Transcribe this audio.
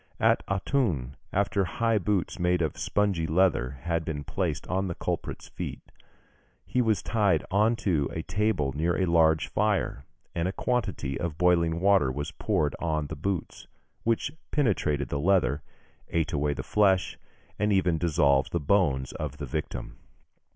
At Autun, after high boots made of spongy leather had been placed on the culprit's feet, he was tied on to a table near a large fire, and a quantity of boiling water was poured on the boots, which penetrated the leather, ate away the flesh, and even dissolved the bones of the victim.